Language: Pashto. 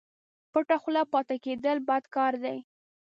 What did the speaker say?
پټه خوله پاته کېدل بد کار دئ